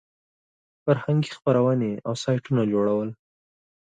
فرهنګي خپرونې او سایټونه جوړول.